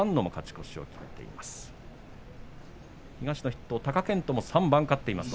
東の筆頭、貴健斗も３番勝っています。